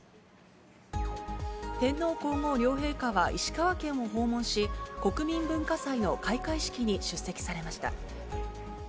天皇皇后両陛下は、石川県を訪問し、国民文化祭の開会式に出席されました。